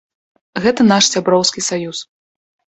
Гэта наш сяброўскі саюз.